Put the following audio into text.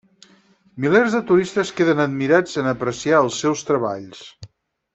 Milers de turistes queden admirats en apreciar els seus treballs.